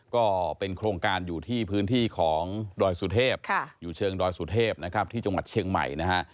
ก็เป็นโครงการอยู่ที่พื้นที่ของดอยสุเทพอยู่เชิงดอยสุเทพนะครับที่จังหวัดเชียงใหม่นะฮะ